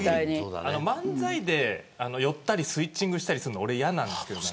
漫才で寄ったりスイッチングしたりするの嫌なんですよ。